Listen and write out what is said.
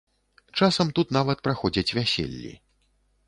Часам тут нават праходзяць вяселлі.